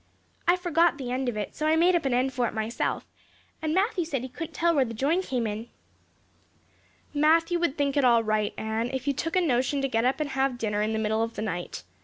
I forgot the end of it, so I made up an end for it myself and Matthew said he couldn't tell where the join came in." "Matthew would think it all right, Anne, if you took a notion to get up and have dinner in the middle of the night.